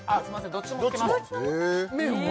どっちもつけます麺は？